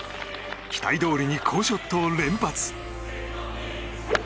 期待どおりに好ショットを連発。